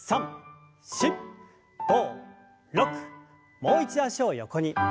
もう一度脚を横に。